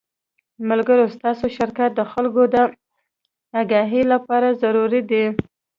ملګرو ستاسو شرکت د خلکو د اګاهۍ له پاره ضروري دے